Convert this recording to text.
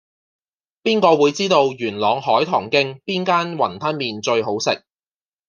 邊個會知道元朗海棠徑邊間雲吞麵最好食